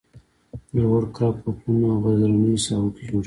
لوړ کرب په پلونو او غرنیو ساحو کې جوړیږي